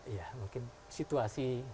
ya mungkin situasi